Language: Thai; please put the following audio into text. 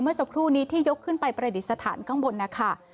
เมื่อสักครู่นี้ที่ยกขึ้นไปประดิษฐานข้างบนนะคะ